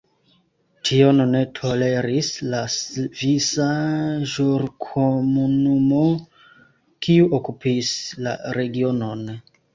Tion ne toleris la Svisa Ĵurkomunumo, kiu okupis la regionon.